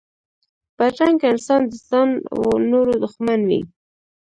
بدرنګه انسان د ځان و نورو دښمن وي